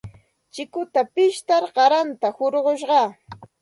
Chikuta pishtar qaranta hurqushqaa.